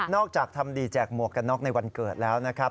จากทำดีแจกหมวกกันน็อกในวันเกิดแล้วนะครับ